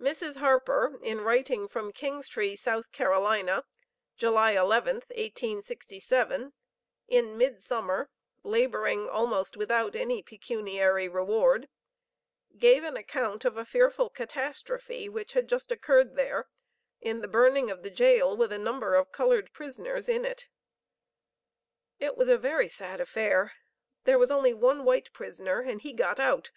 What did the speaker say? Mrs. Harper, in writing from Kingstree, S.C., July 11th, 1867, in midsummer (laboring almost without any pecuniary reward), gave an account of a fearful catastrophe which had just occurred there in the burning of the jail with a number of colored prisoners in it. "It was a very sad affair. There was only one white prisoner and he got out.